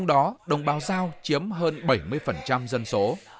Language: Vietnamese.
đồng bào giao chiếm hơn bảy mươi dân số